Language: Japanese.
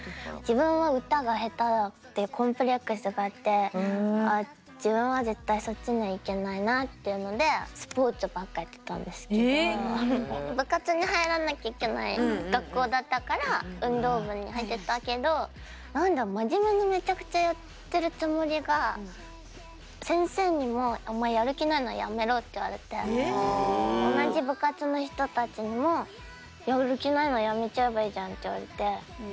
自分は歌が下手だってコンプレックスがあってあ自分は絶対そっちにはいけないなっていうので部活に入らなきゃいけない学校だったから運動部に入ってたけど何だ真面目にめちゃくちゃやってるつもりが先生にも「お前やる気ないなら辞めろ」って言われて同じ部活の人たちにも「やる気ないなら辞めちゃえばいいじゃん」って言われて。